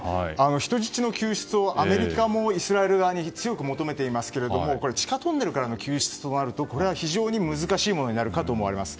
人質の救出をアメリカもイスラエル側に強く求めていますけれども地下トンネルからの救出となるとこれは非常に難しいものになるかと思われます。